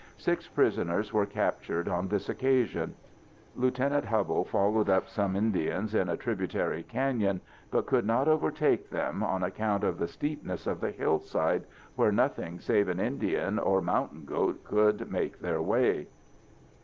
Six prisoners were captured on this occasion. Lieutenant Hubbell followed up some Indians in a tributary cañon, but could not overtake them on account of the steepness of the hillsides, where nothing save an Indian or mountain goat could make their way....